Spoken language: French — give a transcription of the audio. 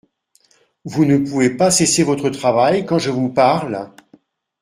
Vous ne pouvez pas cesser votre travail quand je vous parle ?